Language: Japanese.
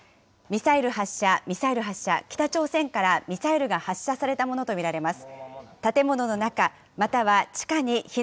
ミサイル発射、ミサイル発射、北朝鮮からミサイルが発射されたものと見られます。